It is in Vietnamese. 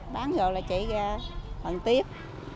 bán vô là chạy ra phần tiếp